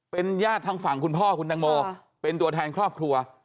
เป็นญาติทางฝั่งคุณพ่อคุณตังโมเป็นตัวแทนครอบครัว